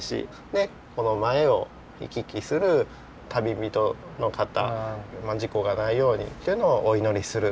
でこの前を行き来する旅人の方事故がないようにっていうのをお祈りする。